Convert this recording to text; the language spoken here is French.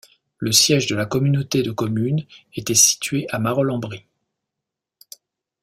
Le siège de la communauté de communes était situé à Marolles en Brie.